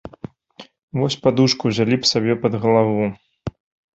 Вось падушку ўзялі б сабе пад галаву.